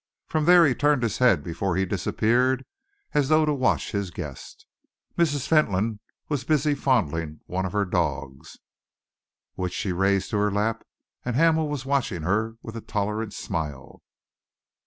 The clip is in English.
From there he turned his head before he disappeared, as though to watch his guest. Mrs. Fentolin was busy fondling one of her dogs, which she had raised to her lap, and Hamel was watching her with a tolerant smile.